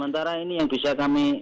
sementara ini yang bisa kami